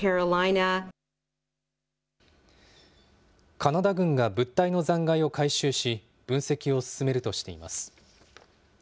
カナダ軍が物体の残骸を回収し、分析を進めるとしています。